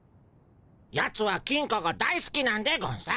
ヤツは金貨が大すきなんでゴンス。